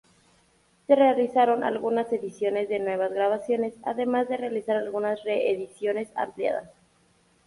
Se realizaron algunas ediciones de nuevas grabaciones, además de realizar algunas re-ediciones ampliadas.